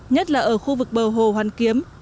nhất là ở khu vực bờ hồ hoàn kiếm